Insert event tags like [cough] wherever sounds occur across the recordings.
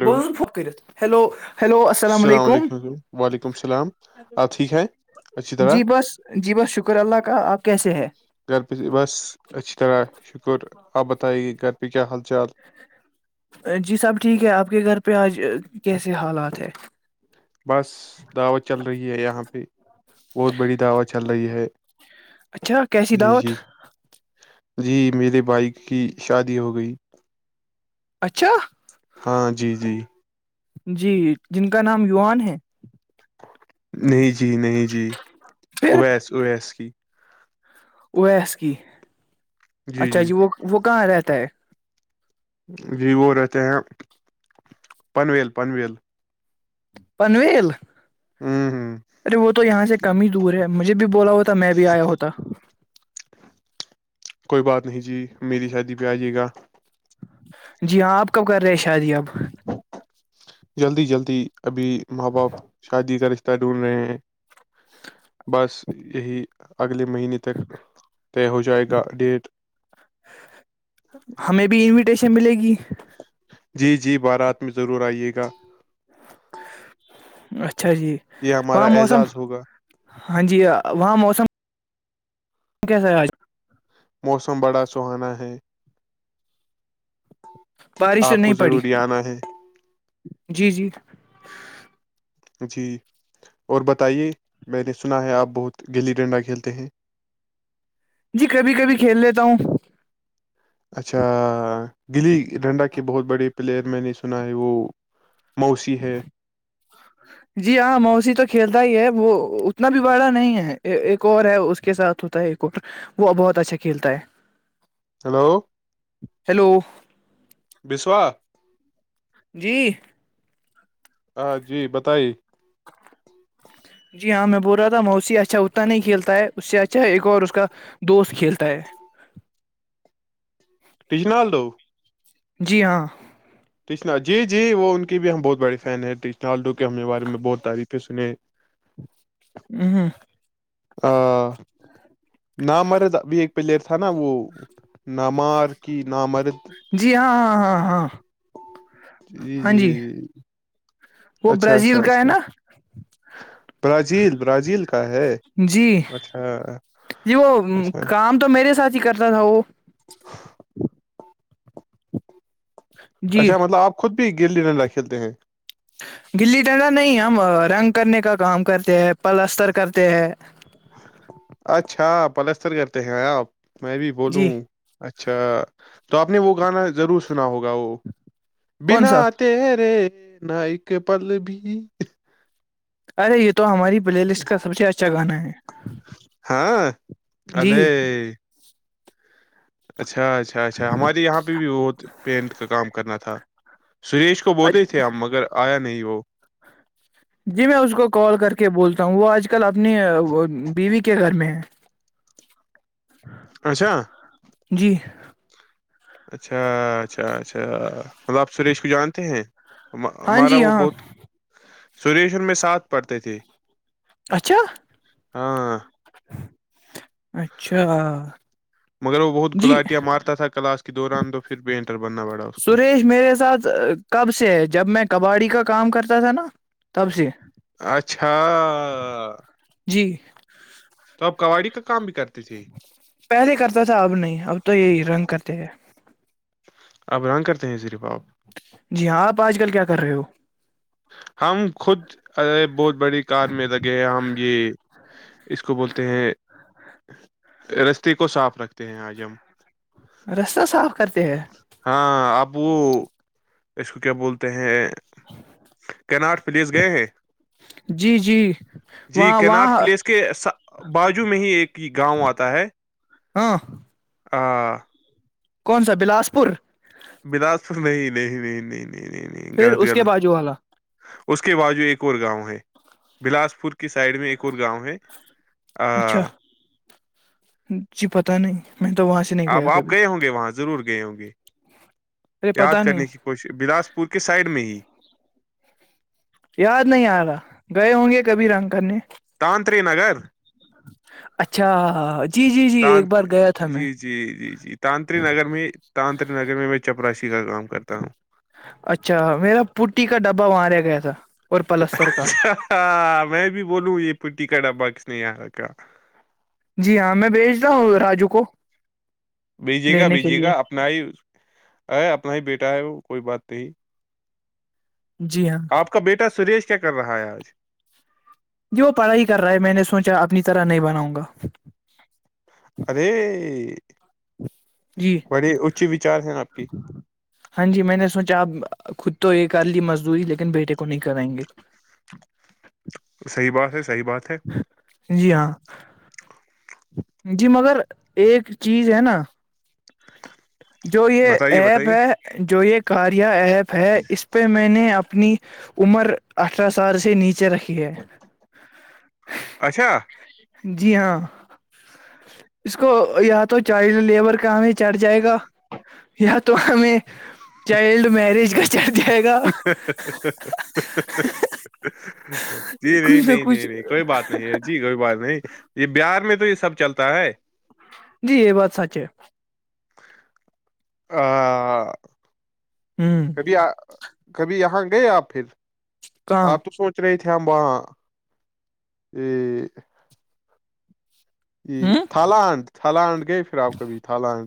hello بہت phone کرت hello hello السلام اللام علیکم وعلیکم السلام آپ ٹھیک ہیں اچھی طرح جی بس جی بس شکر اللہ کا آپ کیسے ہے گھر پہ بس اچھی طرح شکر آپ بتائیے گے گھر پ کیا حال چال جی سب ٹھیک ہے آپ کے گھر پ پج کیسے حالات ہے بس دعوت چل رہی ہے یہاں پہ بہت بڑی دعوے چل رہی ہے اچھا کیسی جی دعوت جی جی میرے بھائی کی شادی ہو گئی اچھا ہاں جی جی جی جن کا نام یووان ہے نہیں جی جی نہیں جی اویس اویس کی او ایس کیی [unintelligible] اچھا جی وہ وہ کہاں رہتا ہے [unintelligible] جی وہ رہتے ہیں پنویل پنویل پنویل ہوں ہوں [unintelligible] ارے وہ تو یہاں سے کم دور ہے مجھے بھی بولا ہوتا میں بھی آیا ہوتا کوئی بات نہیں جی میری شادی پہ آ جے گا جی ہاں آپ کب کر رہے ہیں شادی اب جلدی جلدی ابھی ماں باپ شادی کا رشتہ ڈھونڈھ رہے ہیں بس یہی اگلے مہینے تک طے ہو جائے گا ڈیٹ چ ملے گی [unintelligible] جی جی بارات میں ضرور آئیے گا اچھا [unintelligible] اچھا جی یہ ہمارا وہاں موسم اعزاز ہوگا ہاں جی وہاں موسم کیسا ہے آج موسم بڑا سہانا ہے بارشیں آپ کو نہیں پڑی ضروری آنا ہے جی جی [unintelligible] جی اور بتائیے میں نے سنا ہے آپ بہت گلی ڈنڈا کھیلتے ہیں جی کبھی کبھی کھیل لیتا ہوں اچھا گلی ڈنڈا کے بہت بڑے پلیئر میں نے سنا ہے وہ موسی ہے جی ہاں موسیی تو کھیلتا ہی ہے وہ اتنا بھی باڑا نہیں ہے ایک اور ہے اس کے ساتھ ہوتا ہے ایک اور وہ بہت اچھا کھیلتا ہے ہلو [unintelligible] ہیلو [unintelligible] بسو [unintelligible] جی ہ جی بتائی جی ہاں میں بول رہا تھا موشی اچھا اتنا نہیں کھیلتا ہے اس سے اچھا ایک اور اس کا دوست کھیلتا ہے شنالڈو [unintelligible] جی ہاں ٹشنا جی جی وہ ان کے بھی ہم بہت بڑے فین ہیں ٹشناالڈو کے ہم بارے میں بہت تعریفیں سنے ہ ہ [inaudible] آ نام مرد بھی ایک پلیئر تھا نا وہ ن مار کی ن مرد جی ہاں ہاں ہاں ہاں ہاں جی وہ اچھا اچھا برازیل کا ہے اچھا نا برازیل برازیل کا ہے جی اچھا جی وہ اچھا کام تو میرے ساتھ ہی کرتا تھا وہ جی اچھا مطلب آپ خود گیلی ڈنڈا کھیلتے ہیں گلی ڈنڈا نہیں ہم رنگ کرنے کا کام کرتے ہیں پلستر کرتے ہیں [unintelligible] اچھا پلستر کرتے ہیں آپ میں بھی بولوں جی ہوں اچھا اچھا تو آپ نے وہ گانا ضرور سنا ہوگا وہ کون بنا سا تیرے ن ایکک پل بھی ارے یہ تو ہماری پلے لسٹ کا سب سے اچھا گانا ہے ہاں جی ارے اچھا اچھا اچھا ہمارے یہاں پہ بھی بت پینٹ کا کام کرنا تھا سریش کو بولتے ہی تھے ہم مگر آیا نہیں وہ جی میں اس کو کال کر کے بولتا ہوں وہ آج کل آپ اپنی بیوی کے گھر میں ہیں [inaudible] اچھا [inaudible] جی اچھا اچھا اچھا م آپ سریش کو جانتے ہیں ہاں ہمارا جی وہ ہاں بہت سریش ان میں ساتھ پڑھتے تھے اچھا ہاں [inaudible] [inaudible] مگر وہ بہت جی گلاٹیاں مارتا تھا کلاس دوران دو پھر بن سریش میرے ساتھ کب سے ہے جب میں کباڈی کا کام کرتا تھا ہے نا تب سے اچھا جی توب کباڈی کا کام بھی کرتے تھے پہلے کرتا تھا اب نہیں اب تو یہی رنگ کرتے ہیں اب رگ کرتے ہیں ریف آپ جی ہاں آپ آج کل کیا کر رہے ہو ہم خود اے بہت بڑی کار میں لگے ہیں ہم یہ اس کو بولتے ہیں رستے کو صاف رکھتے ہیں آج ہم رستہ صاف کرتے ہے ہاں اب وہ اس کو کیا بولتے ہیں کینارڈ پلیس گئے ہیں جی جی جی وہاں کینارڈ وہاں پلیس کے سب باجو میں ہی ایک کہ گاؤ آتا ہے [inaudible] ہاں کون سا بلاسپور بلاسپور نہیں نہیں نہیں نہیں نہیں نہیں نہیں پھر غلط اس کے غلط باجو والا اس کے باج ایک اور گاؤں ہے بلاسپور کی سائڈ میں ایک اور گاؤں ہے اچھا ہ [inaudible] جی پتا نہیں میں تو وہاں سے نہیں اب گیا آپ کبھی گئے ہوں گے وہاں ضرور گئے ہوں گے ارے یاد پتہ نہیں کرنے کی کوشش بلاسپور کے سائڈ میں ہی یاد نہیں آ رہا گئے ہوں گے کبھی رنگ کرنے تانتری نگر اچھا جی جی جی تان ایک بار گیا تھا میں جی جی جی جی تانتری نگر میں تانتری نگر میں میں چپراش اچھا میرا پٹی کا ڈبہ وہاںاریا گیا [inaudible] کا ہاں میں بھی بولوں یہ پٹی کٹا باکسنے ار کاا جی ہاں میں بھیجتا ہوں راجو کو بھیجیے گا لینے کے بھیجیے لیے گا اپنا ہی اتنا ہی بیٹا ہے وہ کوئی بات نہیں جی ہاں آپ کا بیٹا سریش کیا کر رہا ہے آج جی وہ پڑھائی کر رہا ہے میں نے سوچا اپنی طرح نہیں بناؤ گا ارے [unintelligible] جی بڑے اچ وچار ہیں آپ کی ہاں جی میں نے سوچا اب خود تو ایک کرلی مزدوری لیکن بیٹے کو کریں گے صحیح بات ہے صحیح بات ہے جی ہاں جی مگر ایک چیز ہے نا جو یہ بتائیے ایپ بتائیے ہے جو یہ کاریا ایپ ہے اس پہ میں نے اپنے اپنی عمر اٹھارہ سال سے نیچے ھ رکھی ہے اچھا جی ہاں اس کو یا تو چائلڈ لیبر کا ہمیں چڑھ جائے گا یا تو ہمیں چائلڈ میرج کا چڑھ جائے گا جی نہیں کچھ نہ نہیں نہیں کچھ نہیں کوئی بات نہیں ہے جی کوئی بات نہیں یہ بہار میں تو یہ سب چلتا ہے جی یہ بات سچ ہے آ ہ [inaudible] کبھی آ [inaudible] کبھی یہاں گئے آپ پھر کہاں آپ تو سوچ رہے تھے [unintelligible] اےبا یہ [unintelligible] ج ہ تھالینڈ تھالینڈ گئے پھر آپ کبھی تھالینڈ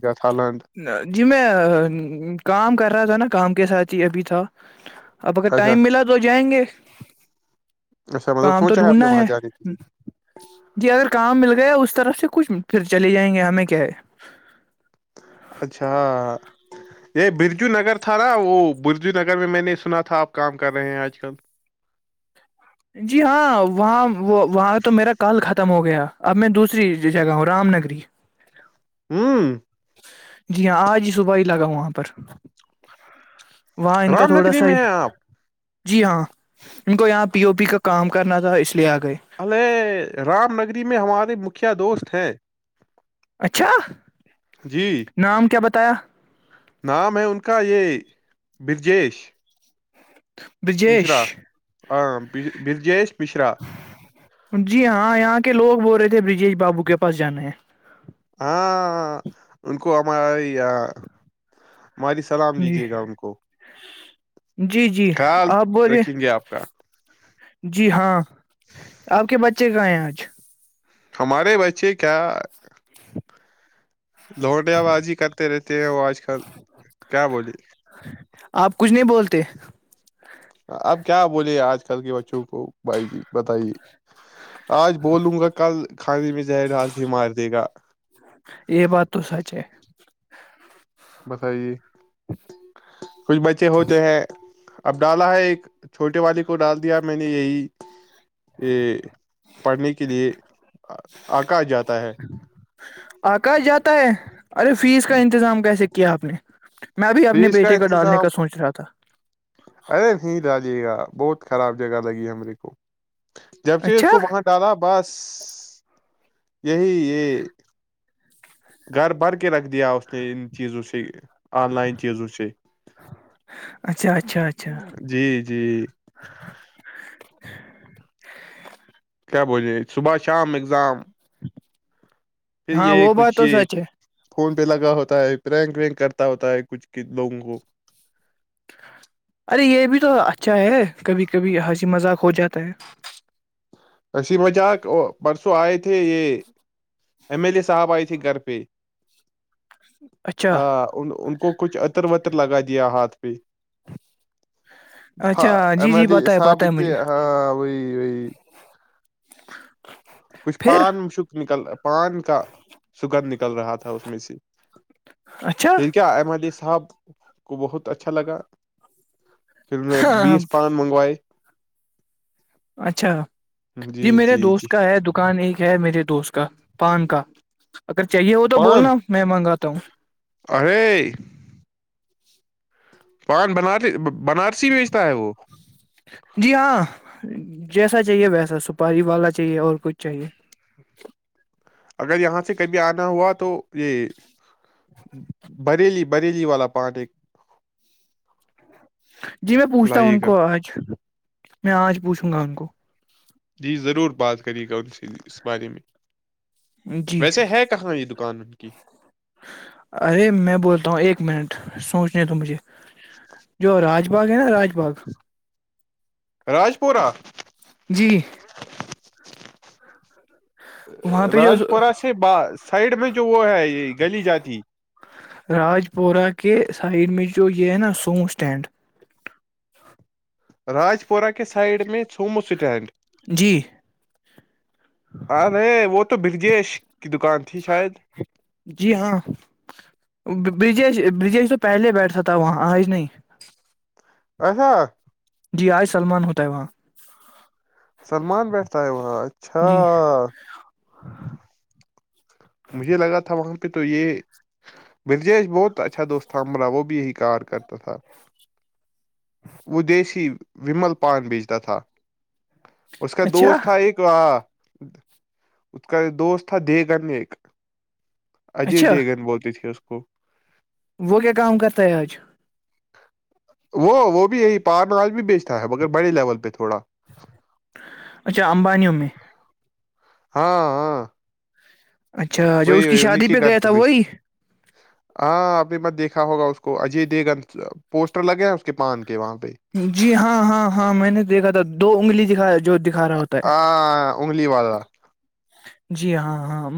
کا تھالانڈ ہ جی میں کام کر رہا تھا نا کام کے ساتھ ابھی تھا [unintelligible] اب اگر اچھا ٹائم ملا تو جائیں گے اچھا مطلب کام تو سوچا آپ نے ڈھونڈنا وہاں ہے جانے کے لیے جی اگر کام مل گیا اس طرح سے کچھ پھر چے جائیں گے ہم میں کیا اچھا یہ برجو نگر تھا نا وہ برجو نگر میں میں نے سنا تھا آپ کام کر رہے ہیں آج کل جی ہاں وہاں وہ وہاں تو میرا کال [unintelligible] خم ہو گیا اب میں دوسری جگہ ہوں رام نگری ہوں [unintelligible] جی ہاں آج ہی صبح ہی لگا ہووں آاں پ پر [unintelligible] وہاں ان کا رام تھوڑا نگری سا ہی میں ہیں آپ جی ہاں ان کو یہاں پہ پی او پی کا کام کرنا تھا اس لیے آ گئے اللے رام نگری میں ہمارے مکھیا دوست ہیں اچھا جی نام کیا بتا کتہ [unintelligible] نام ہے ان کا یہ برجیش مشرا برجیش ہاں بر جےس جی ہاں یہاں کے لوگ بول رہے تھ برجیش بابو کے پاس جانے ہے ہاں ان کو ہم یا ہماری سلام جی دیجے گا ان کو جی جی خیال آپ بولے رکھیں گے آپ کا جی ہاں [unintelligible] ہمارے بچے کیا لھونڈیا بازی کرتے رہتے ہیں وہ آج کل کیا بولی آپ کچھ نہیں بولتے اب کیا بولے آج کل کے بچوں کو بھائی جی بتائیے آج بولوں گا کل کاندی میں زہر ڈال کے مار دے گا یہ بات تو سچ ہے بتائیے کچھ بچے ہوتے ہیں اب ڈالا ہے ایک چھوٹے والے کو ڈال دیا میں نے یہی یہ پڑھنے کے لیے آکا جاتا ہے آکاش جاتا ہے ارے فیس کا انتظام کیسے کیا آپ نے میں بھی اپنے فیس کا بیٹے کو ڈالنے انتظام کا سوچ رہا تھا ارے نہیں ڈالیے گا بہت خراب جگہ لگی ہم ر کوو [unintelligible] جب سے اس اچھا کو وہاں ڈالا بس یہی یہ گھر بار کے رکھ د دیا اس نے ان چیزوں سے آن لائن چیزوں سے اچھا اچھا اچھا جی جی بجے صبح شام اگزام [inaudible] ہاں وہ بات کچھ تو یہ سچ ہے فون پہ لگا ہوتا ہے رینک وینک کرتا ہوتا ہے کچھ لوگوں کو ارے یہ بھی تو اچھا ہے کبھی کبھی ہنسی مذاق ہو جاتا ہے ہنسی مذاق پرسوں ائے تھے یہ ایم ایل اے صاحب ائی تھی گھر پہ مذاق پرسوں ائے تھے یہ ایم ایل اے صاحب ائی تھی گھر پہ اچھا آ، ان ان کو کچھ عطر وطر لگا دیا ہاتھ پ اچھا جی ایم جی پتہ ہے پتہ ہے سابت مجھے آ وہئی وہی کچھ پھر پان م شک نکل پان کا سگندھ نکل رہا تھا اس میں سے اچھا ٹھ کیا ہے ایم صاحب کو بہت اچھا لگا پھر نے ہاں بیس پان منگوائے اچھا جی میرے دوست کا ہے مکان ایک ہے میرے دوست کا پان کا اگر چاہیے ہو تو پان بولنا میں منگا کتوں [unintelligible] ارے پان بنات تو بنارسی بیچتا ہے وہ جی ہاں جیسا چاہیے ویسا سپاری والا چاہیے اور کچھ چاہیے اگر یہاں سے کبھی آنا ہوا تو یہ بریلی بری جی والا پارٹ ایک جی میں پوچھتا ہوں لائیے ان گا کو آج میں آج پوچھتا گان کو [unintelligible] جی ضرور بات کرے گان سے اس بارے میں جی ویسے ہے کہاں یہ دک قانون کی ارے میں بولتا ہوں ایک منٹ سوچنے تو مجھے جو راج باغ ہے نا راج باغ راجپورورہ جی وہاں پہ جو رجپورا سے باز سائڈ میں جو وہ ہے یہ گلی جاتی راج پورہ کے سائڈ میں جو یہ ہے نا سو اسٹینڈ راج پورہ کے سائڈ میں چوم اسٹینڈ جی ہاں نہیں وہ تو برجیش کی دکان تھی شاید جی ہاں بجش برجیش تو پہلے بیٹھتا تھا وہاں آ ہی نہیں اچھا جی آئے سلمان ہوتا ہے وہاں سلمان پیٹھ آ وہاں اچھا ہاں مجھے لگا تھا وہاں پہ تو یہ برجیش بہت اچھا دوست تھا ہمرا وہ بھی یہی کار کرتا تھا وہ دیسی ومل پان بیچتا تھا اس کا اچھا دوست تھا ایک ہاں اس کا دوست تھا دیگنیہ ایک اجے اچھا دیگن بولتی تھی اس کو ہو [unintelligible] وہ کیا کام کرتا ہے آج وہ وہ بھی یہی پار نج بھی بیچتا ہے مگر بڑے لیول پہ تھوڑا اچھا امبانیوں میں ہاں ہاں اچھا جو اس وہی کی وہی انہیں شادی کے پہ گھر گیا تھا بیچتا وہی ہاں آپ نے مت دیکھا ہوگا اس کو اجے دےگن پوسٹر لگے ہیں اس کے پان کے وہاں پہ جی ہاں ہاں ہاں میں نے دیکھا تھا دو انگلی دکھا جو دکھا رہا ہوتا ہے ہاں انگلی والا جی ہاں ہاں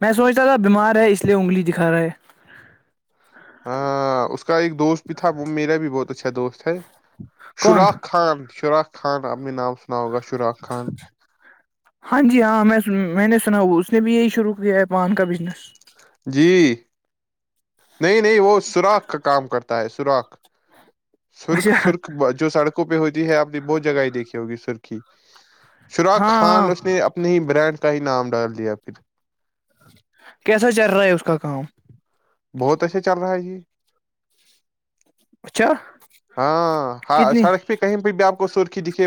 میں سوچ رہا تھا بیمار ہے اس لیے انگلی دکھا رہا ہے ہاں اس کا ایک دوست بھی تھا وہ میرا بھی بہت اچھا دوست ہے کون شوراخ خان شرم خان اپنے نام سنا ہوگا شراخ خان [unintelligible] ہاں جی ہاں میں میں نے سنا اس نے بھی یہی شروع کیا ہے پان کا بزنس جی نہیں نہیں وہ سوراخ کا کام کرتا تا ہے سوراخ سرخ اچھا سرخ جو سڑک پہ ہوتی ہے آپ نے بہت جگہ ہی دیکھی ہوگی سرخی شراخ ہاں ہاں خان اس نے اپنے ہی برانڈ کا ہی نام ڈال دیا پھر کیسا چل رہا ہے اس کا کام بہت ایچھا چل رہا ہے جی اچھا ہاں ہاں کتنی سر پہ کہیں پہ بھی آپ کو کو سر ک کی دکھے [inaudible]